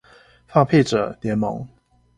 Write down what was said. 放屁者聯盟